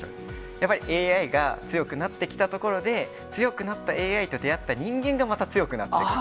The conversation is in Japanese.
やっぱりＡＩが強くなってきたところで、強くなったＡＩと出会った人間がまた強くなっていく。